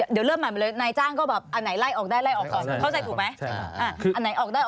เดี๋ยวเริ่มใหม่มาเลยนายจ้างก็แบบอันไหนไล่ออกได้ไล่ออกก่อนเข้าใจถูกไหมออกได้